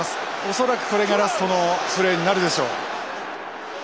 恐らくこれがラストのプレーになるでしょう。